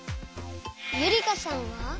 ゆりかさんは？